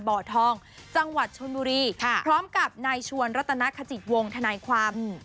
บ่อทองจังหวัดชนบุรีค่ะพร้อมกับนายชวนรัตนขจิตวงธนายความอืม